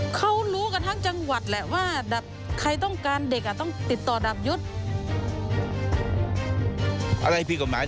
เขารู้กันทั้งจังหวัดแหละว่าใครต้องการเด็กอ่ะต้องติดต่อดับยุทธ์